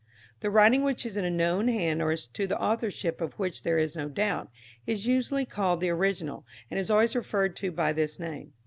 The writing which is in a known hand or as to the authorship of which there is no doubt, is usually called the Original, and is always referred to by this name.